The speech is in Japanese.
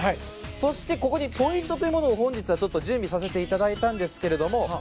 そして、ここにポイントというものも本日は準備させていただいたんですけれども。